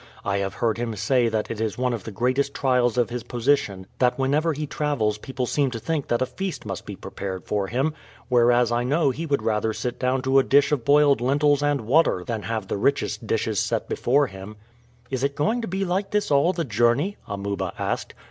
I have heard him say that it is one of the greatest trials of his position that whenever he travels people seem to think that a feast must be prepared for him; whereas I know he would rather sit down to a dish of boiled lentils and water than have the richest dishes set before him." "Is it going to be like this all the journey?" Amuba asked.